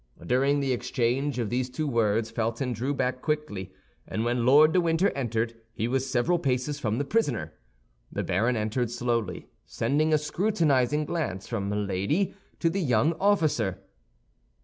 During the exchange of these two words Felton drew back quickly, and when Lord de Winter entered, he was several paces from the prisoner. The baron entered slowly, sending a scrutinizing glance from Milady to the young officer.